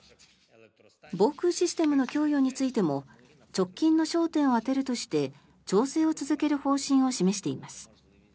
防空システムの供与についても直近の焦点を当てるとして調整を続ける方針を示しています。